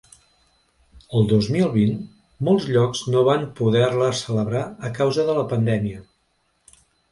El dos mil vint, molts llocs no van poder-la celebrar a causa de la pandèmia.